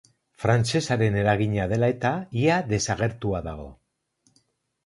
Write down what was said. Frantsesaren eragina dela eta, ia desagertua dago.